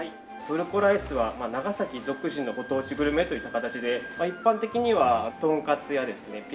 トルコライスは長崎独自のご当地グルメといった形で一般的にはトンカツやですね